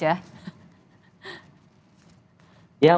ya untuk saat ini kami fokus membantu